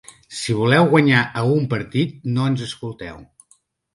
Si voleu guanyar a un partit, no ens escolteu.